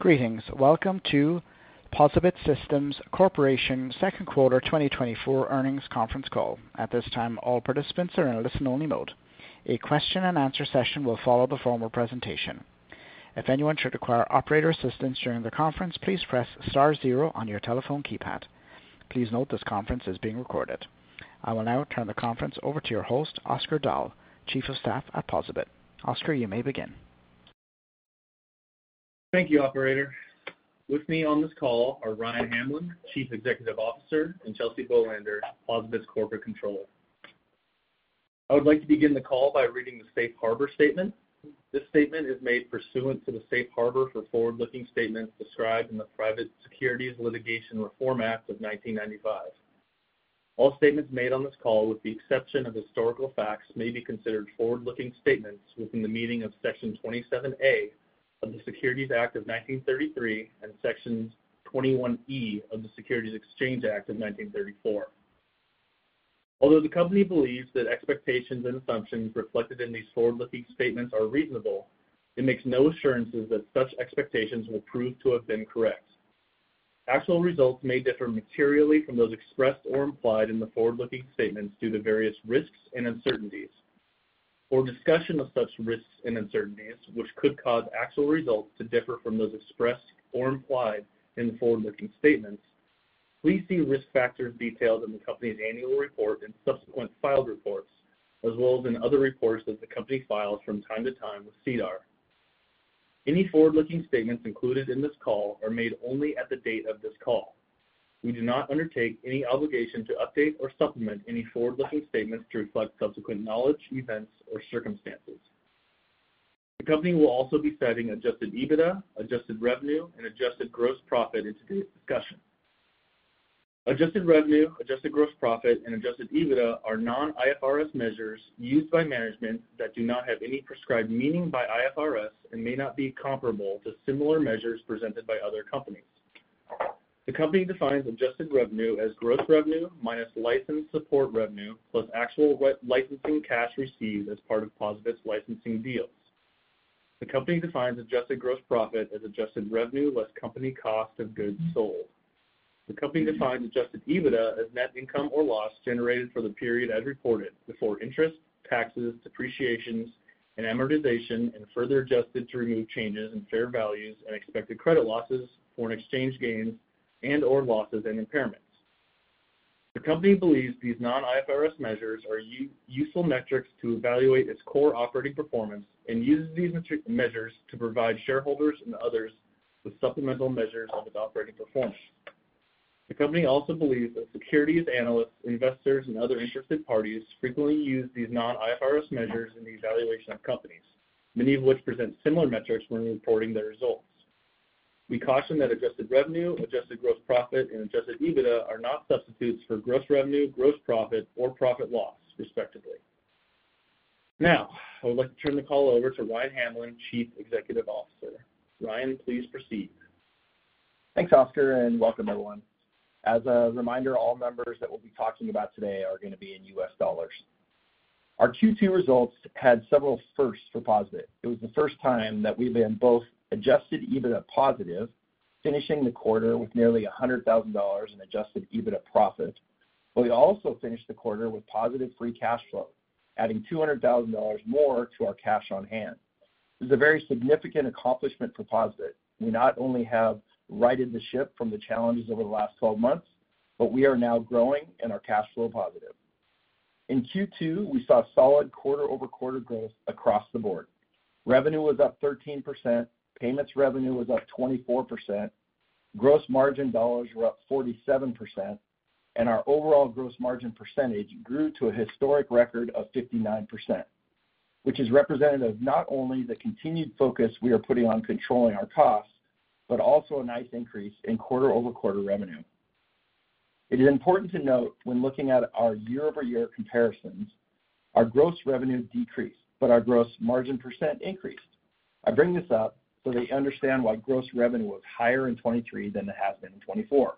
Greetings. Welcome to Posabit Systems Corporation Q2 2024 earnings conference call. At this time, all participants are in a listen-only mode. A question-and-answer session will follow the formal presentation. If anyone should require operator assistance during the conference, please press star zero on your telephone keypad. Please note, this conference is being recorded. I will now turn the conference over to your host, Oscar Dahl, Chief of Staff at Posabit. Oscar, you may begin. Thank you, operator. With me on this call are Ryan Hamlin, Chief Executive Officer, and Chelsea Bolander, Posabit's Corporate Controller. I would like to begin the call by reading the Safe Harbor statement. This statement is made pursuant to the Safe Harbor for forward-looking statements described in the Private Securities Litigation Reform Act of 1995. All statements made on this call, with the exception of historical facts, may be considered forward-looking statements within the meaning of Section 27A of the Securities Act of 1933 and Section 21E of the Securities Exchange Act of 1934. Although the company believes that expectations and assumptions reflected in these forward-looking statements are reasonable, it makes no assurances that such expectations will prove to have been correct. Actual results may differ materially from those expressed or implied in the forward-looking statements due to various risks and uncertainties. For discussion of such risks and uncertainties, which could cause actual results to differ from those expressed or implied in the forward-looking statements, please see risk factors detailed in the company's annual report and subsequent filed reports, as well as in other reports that the company files from time to time with SEDAR. Any forward-looking statements included in this call are made only at the date of this call. We do not undertake any obligation to update or supplement any forward-looking statements to reflect subsequent knowledge, events, or circumstances. The company will also be citing adjusted EBITDA, adjusted revenue, and adjusted gross profit in today's discussion. Adjusted revenue, adjusted gross profit, and adjusted EBITDA are non-IFRS measures used by management that do not have any prescribed meaning by IFRS and may not be comparable to similar measures presented by other companies. The company defines adjusted revenue as gross revenue minus license support revenue, plus actual re-licensing cash received as part of Posabit's licensing deals. The company defines adjusted gross profit as adjusted revenue less company cost of goods sold. The company defines adjusted EBITDA as net income or loss generated for the period as reported, before interest, taxes, depreciation, and amortization, and further adjusted to remove changes in fair values and expected credit losses, foreign exchange gains, and/or losses and impairments. The company believes these non-IFRS measures are useful metrics to evaluate its core operating performance and uses these measures to provide shareholders and others with supplemental measures of its operating performance. The company also believes that securities, analysts, investors, and other interested parties frequently use these non-IFRS measures in the evaluation of companies, many of which present similar metrics when reporting their results. We caution that adjusted revenue, adjusted gross profit, and adjusted EBITDA are not substitutes for gross revenue, gross profit, or profit or loss, respectively. Now, I would like to turn the call over to Ryan Hamlin, Chief Executive Officer. Ryan, please proceed. Thanks, Oscar, and welcome, everyone. As a reminder, all numbers that we'll be talking about today are gonna be in US dollars. Our Q2 results had several firsts for Posabit. It was the first time that we've been both Adjusted EBITDA positive, finishing the quarter with nearly $100,000 in Adjusted EBITDA profit, but we also finished the quarter with positive free cash flow, adding $200,000 more to our cash on hand. This is a very significant accomplishment for Posabit. We not only have righted the ship from the challenges over the last twelve months, but we are now growing and are cash flow positive. In Q2, we saw solid quarter-over-quarter growth across the board. Revenue was up 13%, payments revenue was up 24%, gross margin dollars were up 47%, and our overall gross margin percentage grew to a historic record of 59%, which is representative of not only the continued focus we are putting on controlling our costs, but also a nice increase in quarter-over-quarter revenue. It is important to note when looking at our year-over-year comparisons, our gross revenue decreased, but our gross margin percent increased. I bring this up so that you understand why gross revenue was higher in 2023 than it has been in 2024.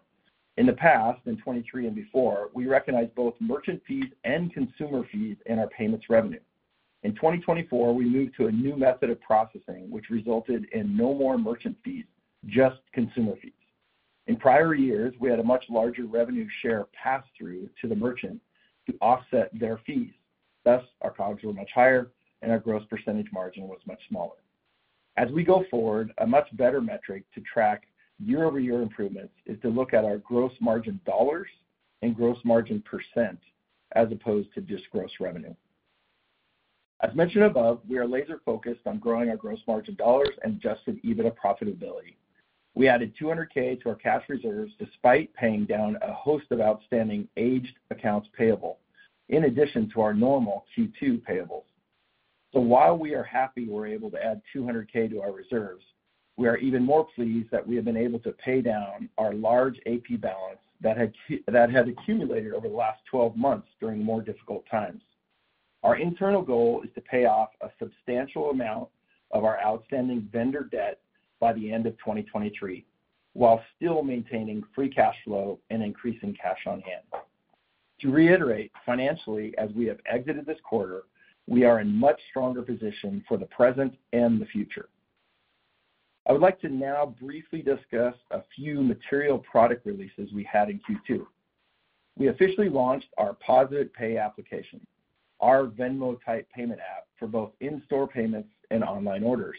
In the past, in 2023 and before, we recognized both merchant fees and consumer fees in our payments revenue. In 2024, we moved to a new method of processing, which resulted in no more merchant fees, just consumer fees. In prior years, we had a much larger revenue share pass-through to the merchant to offset their fees. Thus, our COGS were much higher and our gross percentage margin was much smaller. As we go forward, a much better metric to track year-over-year improvements is to look at our gross margin dollars and gross margin percent, as opposed to just gross revenue. As mentioned above, we are laser-focused on growing our gross margin dollars and adjusted EBITDA profitability. We added $200,000 to our cash reserves, despite paying down a host of outstanding aged accounts payable, in addition to our normal Q2 payables. While we are happy we're able to add $200,000 to our reserves, we are even more pleased that we have been able to pay down our large AP balance that had accumulated over the last twelve months during more difficult times. Our internal goal is to pay off a substantial amount of our outstanding vendor debt by the end of 2023, while still maintaining free cash flow and increasing cash on hand. To reiterate, financially, as we have exited this quarter, we are in much stronger position for the present and the future. I would like to now briefly discuss a few material product releases we had in Q2. We officially launched our Posabit Pay application, our Venmo-type payment app for both in-store payments and online orders.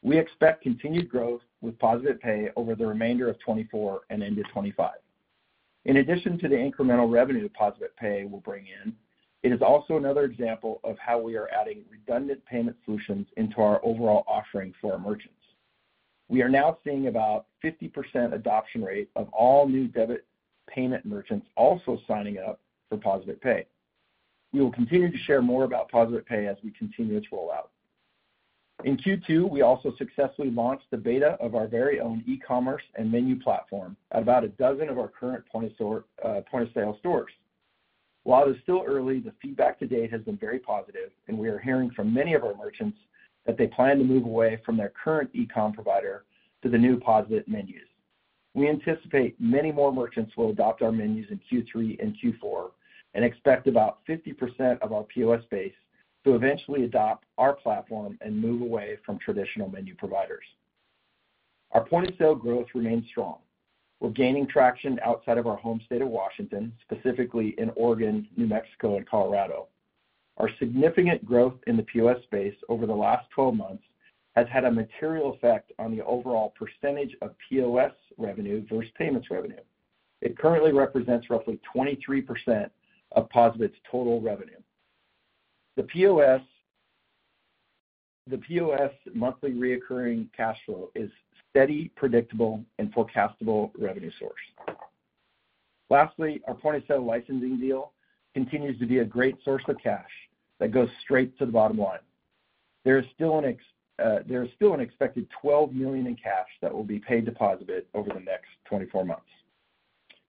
We expect continued growth with Posabit Pay over the remainder of 2024 and into 2025. In addition to the incremental revenue that Posabit Pay will bring in, it is also another example of how we are adding redundant payment solutions into our overall offering for our merchants. We are now seeing about 50% adoption rate of all new debit payment merchants also signing up for Posabit Pay. We will continue to share more about Posabit Pay as we continue its rollout. In Q2, we also successfully launched the beta of our very own e-commerce and menu platform at about a dozen of our current point-of-sale stores. While it is still early, the feedback to date has been very positive, and we are hearing from many of our merchants that they plan to move away from their current e-com provider to the new Posabit Menus. We anticipate many more merchants will adopt our menus in Q3 and Q4, and expect about 50% of our POS base to eventually adopt our platform and move away from traditional menu providers. Our point-of-sale growth remains strong. We're gaining traction outside of our home state of Washington, specifically in Oregon, New Mexico, and Colorado. Our significant growth in the POS space over the last twelve months has had a material effect on the overall percentage of POS revenue versus payments revenue. It currently represents roughly 23% of Posabit total revenue. The POS monthly recurring cash flow is steady, predictable, and forecastable revenue source. Lastly, our point-of-sale licensing deal continues to be a great source of cash that goes straight to the bottom line. There is still an expected $12 million in cash that will be paid to Posabit over the next 24 months.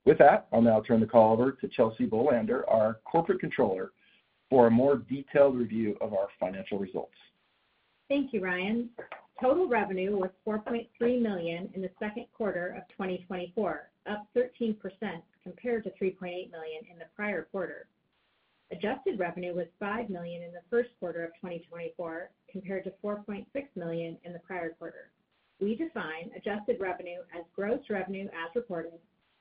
With that, I'll now turn the call over to Chelsea Bolander, our Corporate Controller, for a more detailed review of our financial results. Thank you, Ryan. Total revenue was $4.3 million in the Q2 of 2024, up 13% compared to $3.8 million in the prior quarter. Adjusted revenue was $5 million in the Q1 of 2024, compared to $4.6 million in the prior quarter. We define adjusted revenue as gross revenue as reported,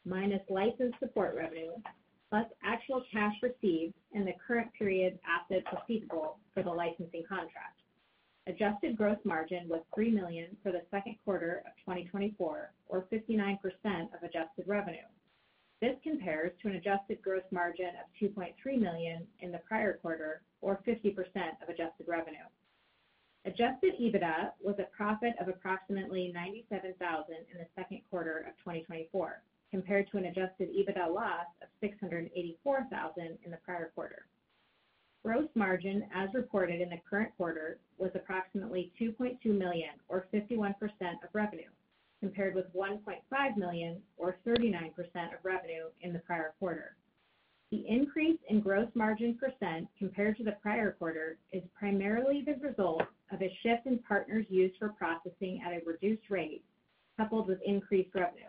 minus license support revenue, plus actual cash received in the current period's asset receivable for the licensing contract. Adjusted gross margin was $3 million for the Q2 of 2024, or 59% of adjusted revenue. This compares to an adjusted gross margin of $2.3 million in the prior quarter, or 50% of adjusted revenue. Adjusted EBITDA was a profit of approximately $97,000 in the Q2 of 2024, compared to an adjusted EBITDA loss of $684,000 in the prior quarter. Gross margin, as reported in the current quarter, was approximately $2.2 million, or 51% of revenue, compared with $1.5 million, or 39% of revenue in the prior quarter. The increase in gross margin percent compared to the prior quarter is primarily the result of a shift in partners used for processing at a reduced rate, coupled with increased revenue.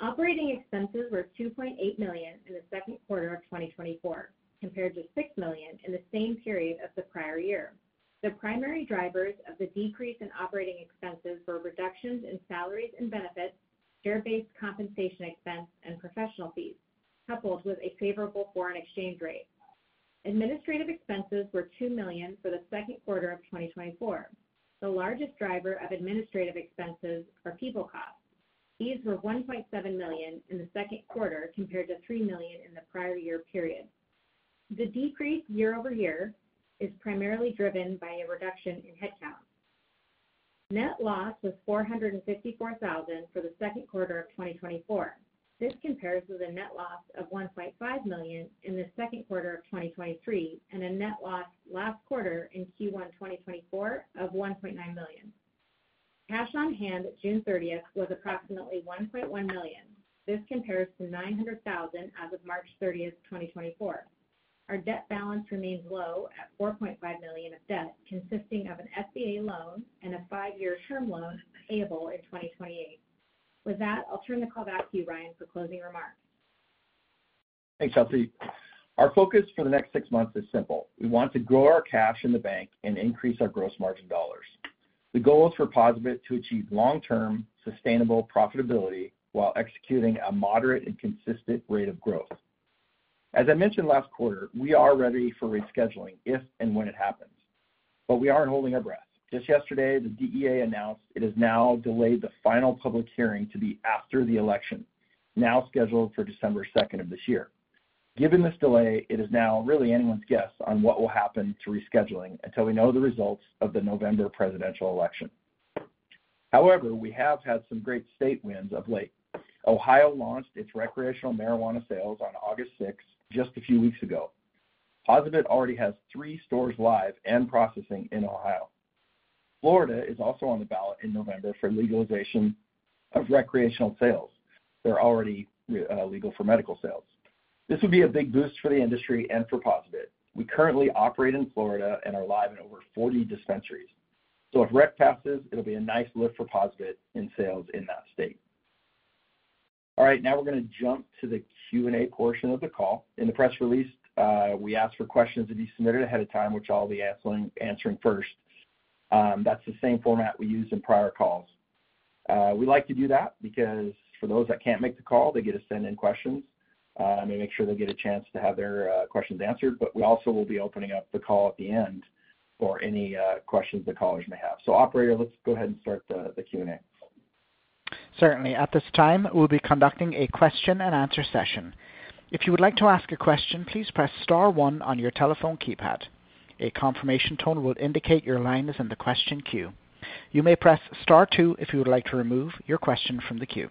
Operating expenses were $2.8 million in the Q2 of 2024, compared to $6 million in the same period of the prior year. The primary drivers of the decrease in operating expenses were reductions in salaries and benefits, share-based compensation expense, and professional fees, coupled with a favorable foreign exchange rate. Administrative expenses were $2 million for the Q2 of 2024. The largest driver of administrative expenses are people costs. These were $1.7 million in the Q2, compared to $3 million in the prior year period. The decrease year over year is primarily driven by a reduction in headcount. Net loss was $454,000 for the Q2 of 2024. This compares with a net loss of $1.5 million in the Q2 of 2023, and a net loss last quarter in Q1 2024 of $1.9 million. Cash on hand at June 30th was approximately $1.1 million. This compares to $900,000 as of March thirtieth, 2024. Our debt balance remains low at $4.5 million of debt, consisting of an SBA loan and a five-year term loan payable in 2028. With that, I'll turn the call back to you, Ryan, for closing remarks. Thanks, Chelsea. Our focus for the next six months is simple: We want to grow our cash in the bank and increase our gross margin dollars. The goal is for Posabit to achieve long-term, sustainable profitability while executing a moderate and consistent rate of growth. As I mentioned last quarter, we are ready for rescheduling if and when it happens, but we aren't holding our breath. Just yesterday, the DEA announced it has now delayed the final public hearing to be after the election, now scheduled for December second of this year. Given this delay, it is now really anyone's guess on what will happen to rescheduling until we know the results of the November presidential election. However, we have had some great state wins of late. Ohio launched its recreational marijuana sales on August sixth, just a few weeks ago. Posabit already has three stores live and processing in Ohio. Florida is also on the ballot in November for legalization of recreational sales. They're already legal for medical sales. This would be a big boost for the industry and for Posabit. We currently operate in Florida and are live in over forty dispensaries. So if rec passes, it'll be a nice lift for Posabit in sales in that state. All right, now we're going to jump to the Q&A portion of the call. In the press release, we asked for questions to be submitted ahead of time, which I'll be answering first. That's the same format we used in prior calls. We like to do that because for those that can't make the call, they get to send in questions. And we make sure they get a chance to have their questions answered, but we also will be opening up the call at the end for any questions the callers may have. So operator, let's go ahead and start the Q&A. Certainly. At this time, we'll be conducting a question-and-answer session. If you would like to ask a question, please press star one on your telephone keypad. A confirmation tone will indicate your line is in the question queue. You may press star two if you would like to remove your question from the queue.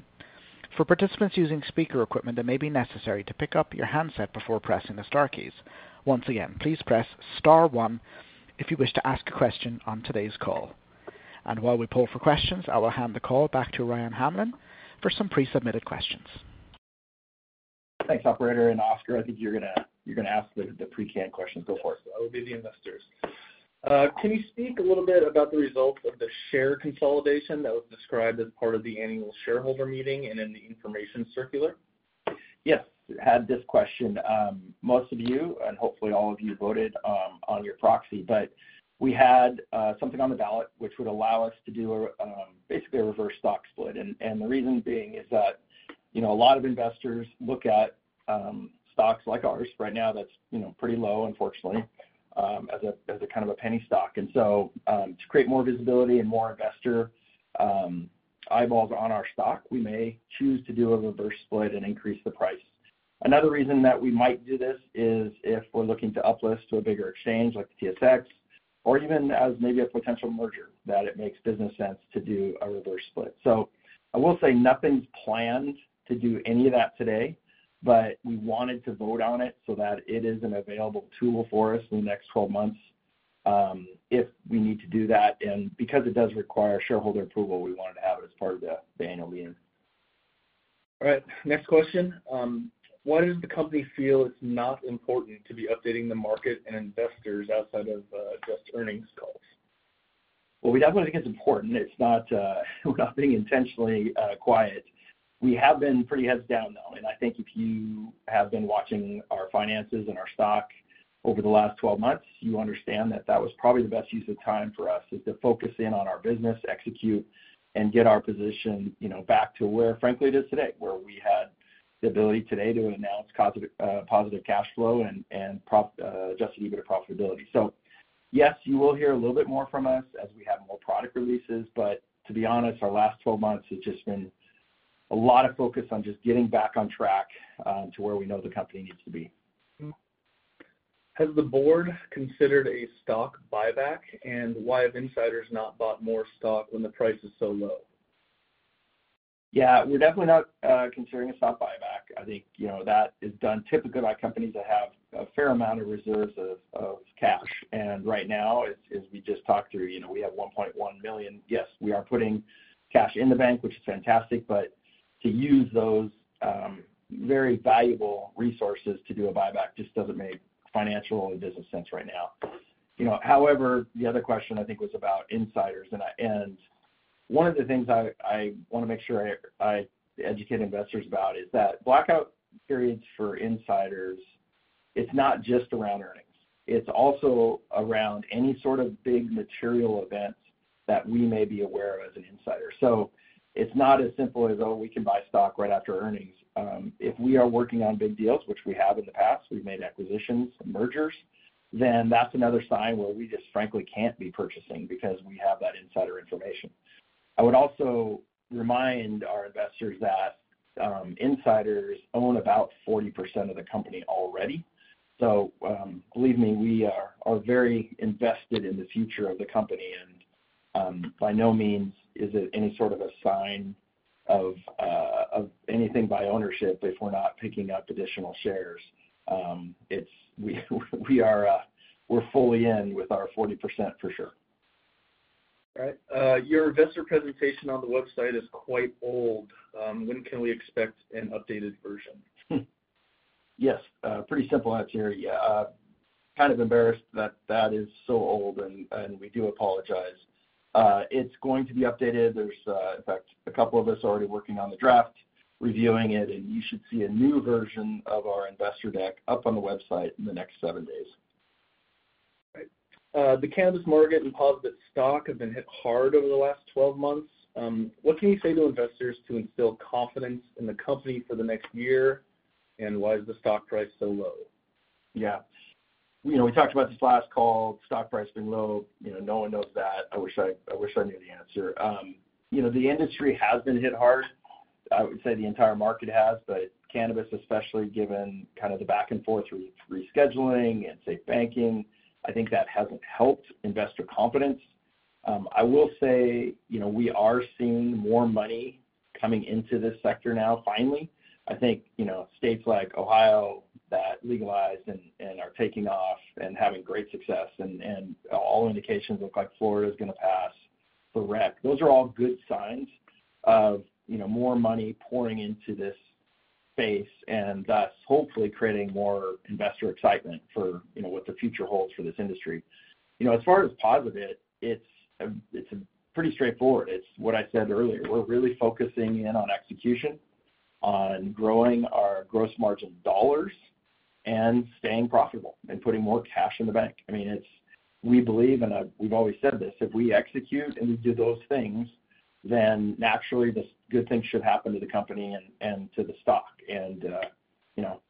For participants using speaker equipment, it may be necessary to pick up your handset before pressing the star keys. Once again, please press star one if you wish to ask a question on today's call, and while we poll for questions, I will hand the call back to Ryan Hamlin for some pre-submitted questions. Thanks, operator, and Oscar, I think you're gonna ask the pre-canned questions. Go for it. That would be the investors. Can you speak a little bit about the results of the share consolidation that was described as part of the annual shareholder meeting and in the information circular? Yes, had this question. Most of you, and hopefully all of you, voted on your proxy, but we had something on the ballot, which would allow us to do a basically a reverse stock split. And the reason being is that, you know, a lot of investors look at stocks like ours right now, that's, you know, pretty low, unfortunately, as a kind of a penny stock. And so to create more visibility and more investor eyeballs on our stock, we may choose to do a reverse split and increase the price. Another reason that we might do this is if we're looking to uplist to a bigger exchange, like the TSX, or even as maybe a potential merger, that it makes business sense to do a reverse split. I will say nothing's planned to do any of that today, but we wanted to vote on it so that it is an available tool for us in the next twelve months, if we need to do that. Because it does require shareholder approval, we wanted to have it as part of the annual meeting. All right, next question. Why does the company feel it's not important to be updating the market and investors outside of, just earnings calls? We definitely think it's important. It's not. We're not being intentionally quiet. We have been pretty heads down, though, and I think if you have been watching our finances and our stock over the last twelve months, you understand that that was probably the best use of time for us, is to focus in on our business, execute, and get our position, you know, back to where, frankly, it is today, where we had the ability today to announce positive cash flow and just a little bit of profitability. Yes, you will hear a little bit more from us as we have more product releases, but to be honest, our last twelve months has just been a lot of focus on just getting back on track to where we know the company needs to be. Has the board considered a stock buyback, and why have insiders not bought more stock when the price is so low? Yeah, we're definitely not considering a stock buyback. I think, you know, that is done typically by companies that have a fair amount of reserves of cash, and right now, as we just talked through, you know, we have $1.1 million. Yes, we are putting cash in the bank, which is fantastic, but to use those very valuable resources to do a buyback just doesn't make financial or business sense right now. You know, however, the other question, I think, was about insiders, and one of the things I want to make sure I educate investors about is that blackout periods for insiders. It's not just around earnings. It's also around any sort of big material events that we may be aware of as an insider. So it's not as simple as, oh, we can buy stock right after earnings. If we are working on big deals, which we have in the past, we've made acquisitions and mergers, then that's another sign where we just frankly can't be purchasing because we have that insider information. I would also remind our investors that insiders own about 40% of the company already. So, believe me, we are very invested in the future of the company, and by no means is it any sort of a sign of anything by ownership if we're not picking up additional shares. It's, we're fully in with our 40%, for sure. All right. Your investor presentation on the website is quite old. When can we expect an updated version? Yes, pretty simple answer here. Yeah, kind of embarrassed that that is so old, and we do apologize. It's going to be updated. There's, in fact, a couple of us already working on the draft, reviewing it, and you should see a new version of our investor deck up on the website in the next seven days. Great. The cannabis market and Posabit stock have been hit hard over the last twelve months. What can you say to investors to instill confidence in the company for the next year, and why is the stock price so low? Yeah. You know, we talked about this last call. Stock price has been low. You know, no one knows that. I wish I knew the answer. You know, the industry has been hit hard. I would say the entire market has, but cannabis especially, given kind of the back and forth rescheduling and safe banking. I think that hasn't helped investor confidence. I will say, you know, we are seeing more money coming into this sector now, finally. I think, you know, states like Ohio that legalize and are taking off and having great success, and all indications look like Florida is going to pass for rec. Those are all good signs of, you know, more money pouring into this space, and thus hopefully creating more investor excitement for, you know, what the future holds for this industry. You know, as far as Posabit, it's pretty straightforward. It's what I said earlier. We're really focusing in on execution, on growing our gross margin dollars, and staying profitable, and putting more cash in the bank. I mean, it's we believe, and we've always said this: If we execute and we do those things, then naturally, the good things should happen to the company and to the stock. And you know,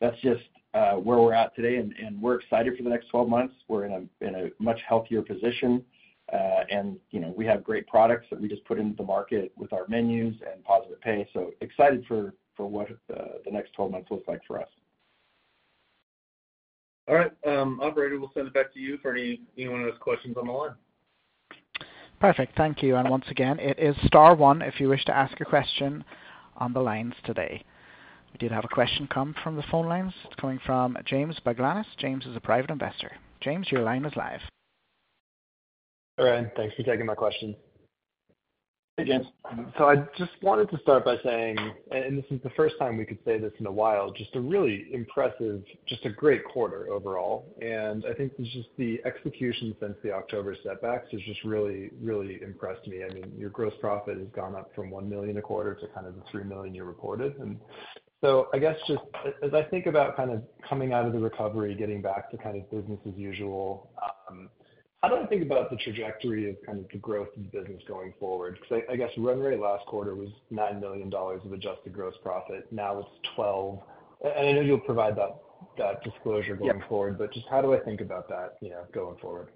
that's just where we're at today, and we're excited for the next twelve months. We're in a much healthier position. And you know, we have great products that we just put into the market with our menus and Posabit Pay, so excited for what the next twelve months looks like for us. All right, Operator, we'll send it back to you for any, anyone who has questions on the line. Perfect. Thank you. And once again, it is star one if you wish to ask a question on the lines today. We did have a question come from the phone lines. It's coming from James Baglanis. James is a private investor. James, your line is live. All right. Thanks for taking my question. Hey, James. I just wanted to start by saying, and this is the first time we could say this in a while, just a really impressive, just a great quarter overall. I think it's just the execution since the October setbacks has just really, really impressed me. I mean, your gross profit has gone up from $1 million a quarter to kind of the $3 million you reported. So I guess, just as I think about kind of coming out of the recovery, getting back to kind of business as usual, how do I think about the trajectory of kind of the growth of the business going forward? Because I guess run rate last quarter was $9 million of adjusted gross profit, now it's $12 million. I know you'll provide that disclosure going forward. Yeah. But just how do I think about that, you know, going forward?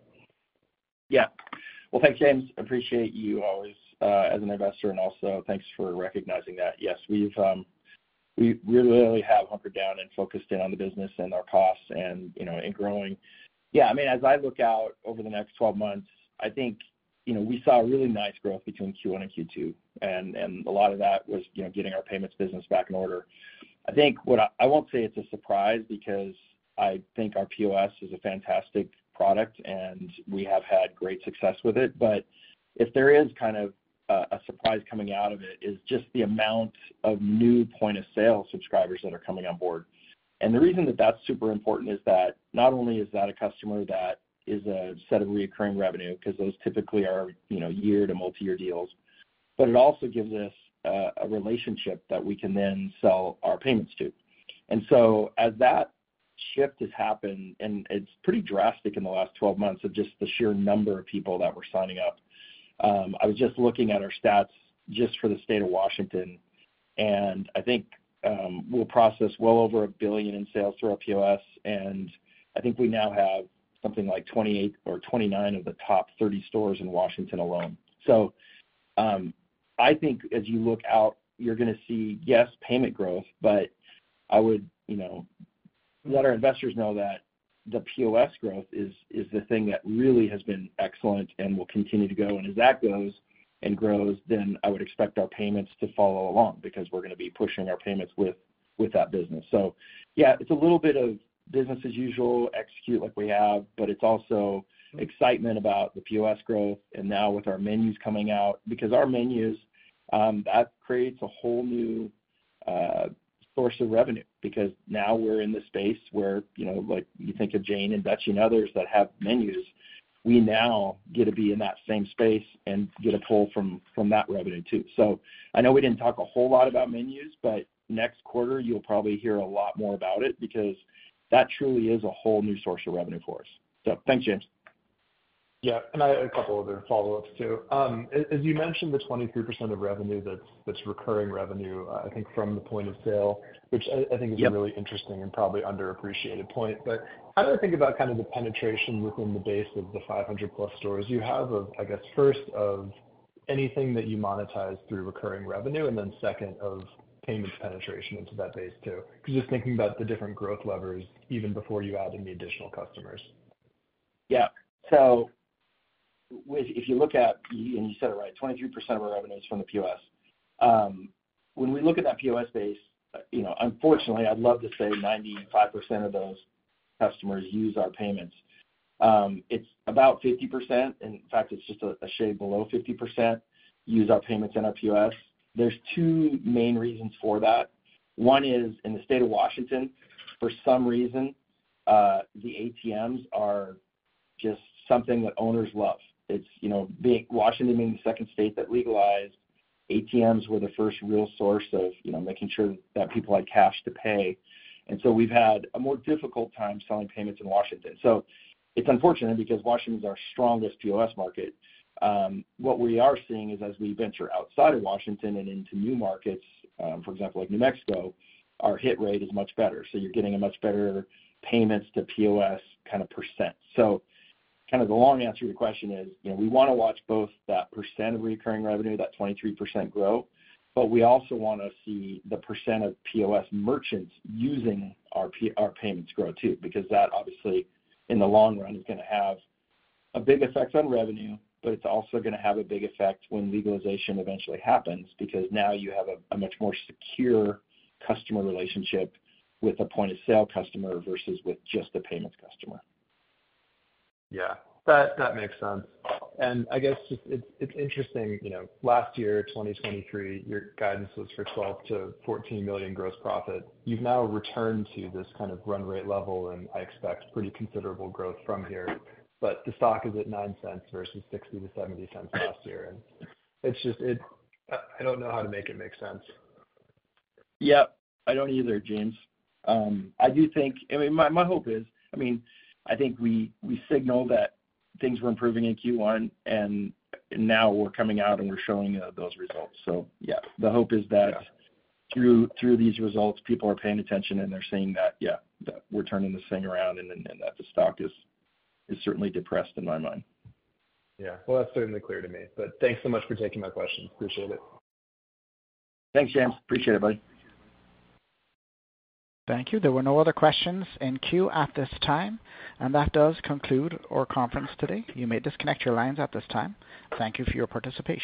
Yeah. Well, thanks, James. Appreciate you always as an investor, and also thanks for recognizing that. Yes, we've we really have hunkered down and focused in on the business and our costs and, you know, and growing. Yeah, I mean, as I look out over the next twelve months, I think, you know, we saw a really nice growth between Q1 and Q2, and a lot of that was, you know, getting our payments business back in order. I think I won't say it's a surprise, because I think our POS is a fantastic product, and we have had great success with it. But if there is kind of a surprise coming out of it, is just the amount of new point of sale subscribers that are coming on board. And the reason that that's super important is that not only is that a customer that is a set of recurring revenue, because those typically are, you know, year to multiyear deals, but it also gives us a relationship that we can then sell our payments to. And so as that shift has happened, and it's pretty drastic in the last 12 months, of just the sheer number of people that were signing up, I was just looking at our stats just for the state of Washington, and I think, we'll process well over $1 billion in sales through our POS, and I think we now have something like 28 or 29 of the top 30 stores in Washington alone. So, I think as you look out, you're gonna see, yes, payment growth, but I would, you know, let our investors know that the POS growth is the thing that really has been excellent and will continue to go. And as that goes and grows, then I would expect our payments to follow along, because we're gonna be pushing our payments with that business. So yeah, it's a little bit of business as usual, execute like we have, but it's also excitement about the POS growth and now with our menus coming out. Because our menus, that creates a whole new source of revenue, because now we're in the space where, you know, like, you think of Jane and Dutch and others that have menus, we now get to be in that same space and get a pull from that revenue, too. So I know we didn't talk a whole lot about menus, but next quarter you'll probably hear a lot more about it because that truly is a whole new source of revenue for us. So thanks, James. Yeah, and I have a couple other follow-ups, too. As you mentioned, the 23% of revenue that's recurring revenue, I think from the point of sale, which I- Yep... I think, is a really interesting and probably underappreciated point. But how do I think about kind of the penetration within the base of the five hundred plus stores you have of, I guess, first, of anything that you monetize through recurring revenue, and then second, of payments penetration into that base, too? Because just thinking about the different growth levers even before you add in the additional customers. Yeah. So if you look at, and you said it right, 23% of our revenue is from the POS. When we look at that POS base, you know, unfortunately, I'd love to say 95% of those customers use our payments. It's about 50%, in fact, it's just a shade below 50%, use our payments in our POS. There's two main reasons for that. One is, in the state of Washington, for some reason, the ATMs are just something that owners love. It's, you know, Washington being the second state that legalized, ATMs were the first real source of, you know, making sure that people had cash to pay. And so we've had a more difficult time selling payments in Washington. So it's unfortunate, because Washington is our strongest POS market. What we are seeing is as we venture outside of Washington and into new markets, for example, like New Mexico, our hit rate is much better. So you're getting a much better payments to POS kind of percent. So kind of the long answer to your question is, you know, we want to watch both that percent of recurring revenue, that 23% grow, but we also want to see the percent of POS merchants using our payments grow, too. Because that, obviously, in the long run, is gonna have a big effect on revenue, but it's also gonna have a big effect when legalization eventually happens, because now you have a much more secure customer relationship with a point-of-sale customer versus with just a payments customer. Yeah, that, that makes sense. I guess just it's, it's interesting, you know, last year, 2023, your guidance was for $12-14 million gross profit. You've now returned to this kind of run rate level, and I expect pretty considerable growth from here. The stock is at $0.09 versus $0.60-$0.70 last year, and it's just, it, I don't know how to make it make sense. Yeah, I don't either, James. I do think... I mean, my hope is, I mean, I think we signaled that things were improving in Q1, and now we're coming out, and we're showing those results. So yeah, the hope is that- Yeah... through these results, people are paying attention, and they're seeing that, yeah, that we're turning this thing around and that the stock is certainly depressed, in my mind. Yeah. Well, that's certainly clear to me. But thanks so much for taking my question. Appreciate it. Thanks, James. Appreciate it, buddy. Thank you. There were no other questions in queue at this time, and that does conclude our conference today. You may disconnect your lines at this time. Thank you for your participation.